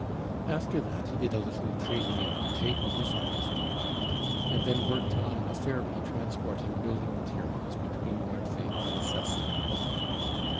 After that, he did a little trading in potatoes on his own account, and then worked on a ferry transporting building materials between Norci weyk and Sassenheim.